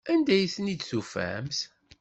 Anda ay ten-id-tufamt?